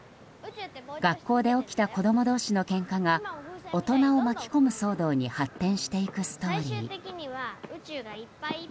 学校で起きた子供同士のけんかが大人を巻き込む騒動に発展していくストーリー。